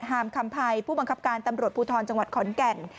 หามคำภัยผู้บังคับการตำรวจภูทรจังหวัดขอนแก่น